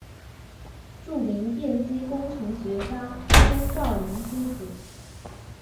著名电机工程学家钟兆琳之子。